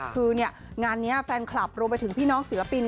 คืองานนี้แฟนคลับรวมไปถึงพี่น้องศิลปิน